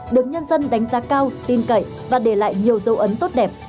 được nhân dân đánh giá cao tin cậy và để lại nhiều dấu ấn tốt đẹp